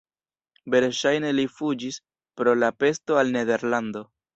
Verŝajne li fuĝis pro la pesto al Nederlando.